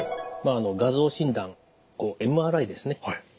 画像診断ＭＲＩですね。